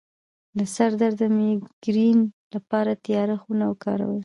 د سر درد د میګرین لپاره تیاره خونه وکاروئ